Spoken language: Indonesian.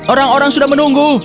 orang orang sudah menunggu